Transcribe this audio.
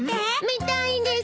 見たいです。